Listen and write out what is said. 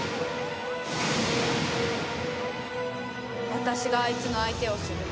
私があいつの相手をする。